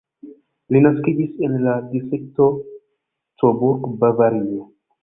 Li naskiĝis en la distrikto Coburg, Bavario.